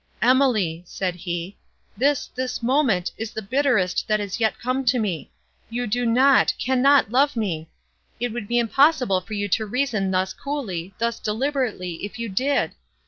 "Emily!" said he, "this, this moment is the bitterest that is yet come to me. You do not—cannot love me!—It would be impossible for you to reason thus coolly, thus deliberately, if you did.